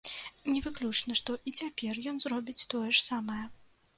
Не выключана, што і цяпер ён зробіць тое ж самае.